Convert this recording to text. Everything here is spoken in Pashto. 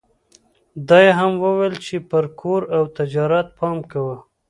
دا يې هم وويل چې پر کور او تجارت پام کوه.